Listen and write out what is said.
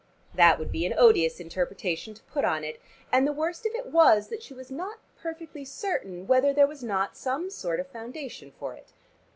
That would be an odious interpretation to put on it, and the worst of it was that she was not perfectly certain whether there was not some sort of foundation for it.